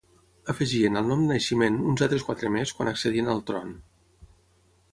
Afegien al nom de naixement uns altres quatre més quan accedien al tron.